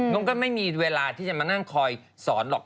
มันก็ไม่มีเวลาที่จะมานั่งคอยสอนหรอก